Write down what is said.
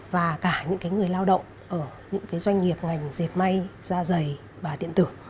và cả những người lao động ở những doanh nghiệp ngành dệt may da dày và điện tử